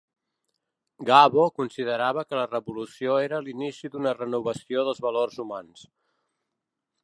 Gabo considerava que la revolució era l'inici d'una renovació dels valors humans.